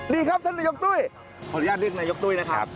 ดีครับท่านนายกตุ้ยขออนุญาตเลือกนายกตุ้ยนะครับ